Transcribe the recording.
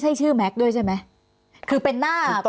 พี่เรื่องมันยังไงอะไรยังไง